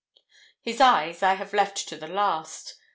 His eyes I have left to the last.